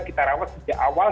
kita rawat sejak awal